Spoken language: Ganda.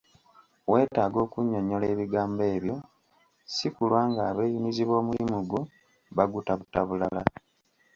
Weetaaga okunnyonnyola ebigambo ebyo ssi kulwa ng'abeeyunizi b’omulimu gwo bagutaputa bulala.